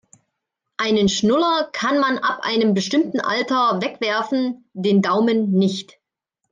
Einen Schnuller kann man ab einem bestimmten Alter wegwerfen, den Daumen nicht.